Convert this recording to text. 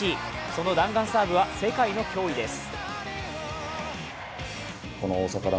その弾丸サーブは世界の脅威です。